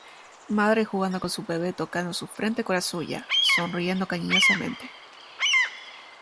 Madre jugando con su bebé, tocando su frente con la suya, sonriendo cariñosamente.